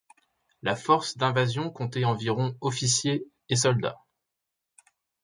La force d'invasion comptait environ officiers et soldats.